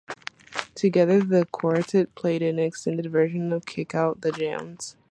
Together the quartet played an extended version of Kick Out The Jams.